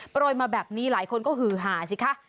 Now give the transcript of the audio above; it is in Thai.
ปล่อยมาแบบนี้หลายคนก็หูหาสิคะ